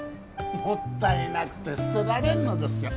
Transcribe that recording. もったいなくて捨てられんのですよ